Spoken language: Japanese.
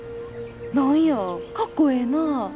何やかっこええなぁ。